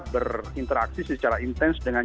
berinteraksi secara intens dengan